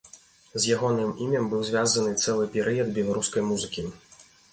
З ягоным імем быў звязаны цэлы перыяд беларускай музыкі.